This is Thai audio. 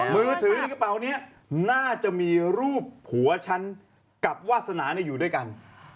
มือถือในกระเป๋านี้น่าจะมีรูปผัวฉันกับวาสนาอยู่ด้วยกัน